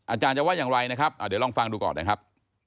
อาจารย์จะว่าอย่างไรนะครับเดี๋ยวลองฟังดูก่อนนะครับ